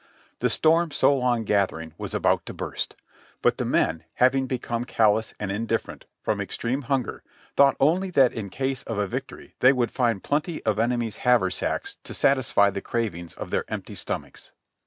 The storm so long gathering was about to burst, but the men having become callous and indifferent from ex treme hunger, thought only that in case of a victory they would find plenty of the enemy's haversacks to satisfy the cravings of their empty stomachs.